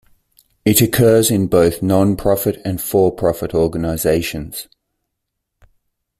It occurs in both non-profit and for-profit organizations.